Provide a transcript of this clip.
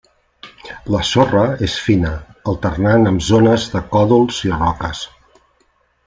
La sorra és fina alternant amb zones de còdols i roques.